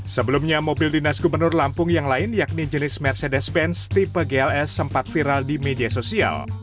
sebelumnya mobil dinas gubernur lampung yang lain yakni jenis mercedes benz tipe gls sempat viral di media sosial